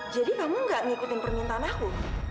jadi kamu nggak ngikutin permintaan aku